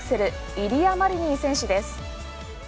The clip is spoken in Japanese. イリア・マリニン選手です。